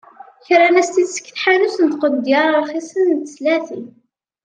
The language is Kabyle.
Kran-as-tt-id seg tḥanut n tqendyar rxisen n teslatin.